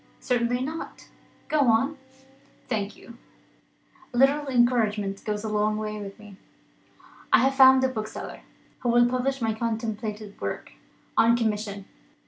"Certainly not. Go on." "Thank you; a little encouragement goes a long way with me. I have found a bookseller, who will publish my contemplated work, on commission.